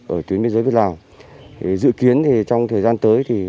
ở tuyến biên giới việt nam dự kiến trong thời gian tới